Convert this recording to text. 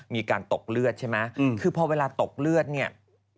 มีการตกเลือดใช่ไหมคือพอเวลาตกเลือดเนี่ย